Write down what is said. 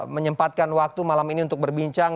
menyempatkan waktu malam ini untuk berbincang